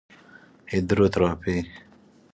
هیدروتراپی